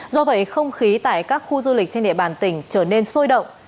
do vậy không khí tại các khu du lịch trên địa bàn tỉnh trở nên sôi động